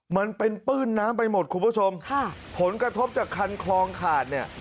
มันเป็นปื้นน้ำไปหมดคุณผู้ชมค่ะผลกระทบจากคันคลองขาดเนี่ย